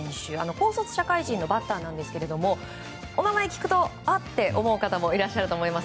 高卒社会人のバッターなんですけれどもお名前を聞くとあっ！と思う方もいらっしゃると思います。